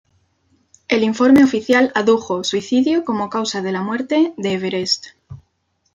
El informe oficial adujo "suicidio" como causa de la muerte de Everest.